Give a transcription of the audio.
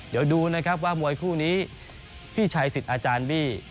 เดี๋ยวดูนะครับว่ามวยคู่นี้พี่ชัยสิทธิ์อาจารย์บี้